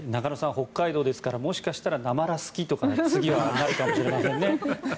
北海道ですからもしかしたらなまら好きとか次はあるかもしれませんね。